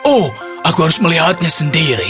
oh aku harus melihatnya sendiri